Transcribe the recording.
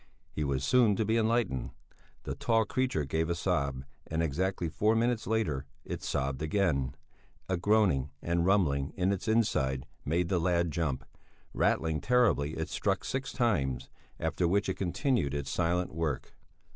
He was soon to be enlightened. The tall creature gave a sob, and exactly four minutes later it sobbed again; a groaning and rumbling in its inside made the lad jump; rattling terribly it struck six times, after which it continued its silent work.